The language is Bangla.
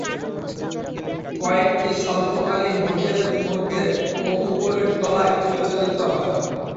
কয়েকটি স্বল্পকালীন হোটেল মধ্য ও উপরের তলায় পরিচালিত হয়।